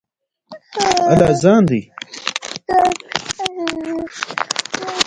افغانستان کې د یورانیم په اړه زده کړه کېږي.